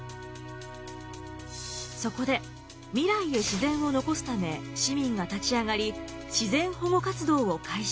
そこで未来へ自然を残すため市民が立ち上がり自然保護活動を開始。